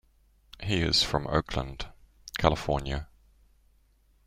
He is from Oakland, California.